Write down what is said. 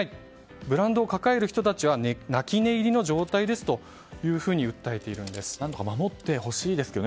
ブランドを抱える人たちは泣き寝入りの状態ですと何か守ってほしいですよね。